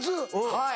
はい。